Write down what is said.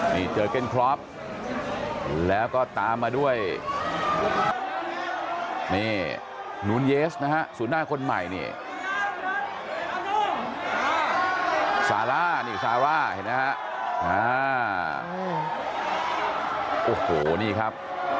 นี่เจอเก้นครอปแล้วก็ตามมาด้วยนี่นูนเยสนะฮะศูนย์หน้าคนใหม่นี่ซาร่านี่ซาร่าเห็นไหมฮะโอ้โหนี่ครับ